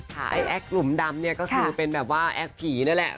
ขาแอ๊กดุมดำนี่ก็คือแบบแอ๊กผีนั่นแหละ